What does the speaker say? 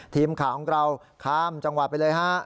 ทีมข่าวของเราข้ามจังหวัดไปเลยฮะ